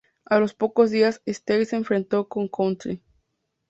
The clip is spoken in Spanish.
A los pocos días, Stade se enfrentó con Country.